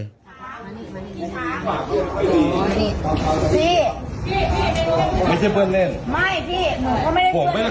โอ้นี่เฮ้ยไม่ใช่เพื่อนเล่นไม่พี่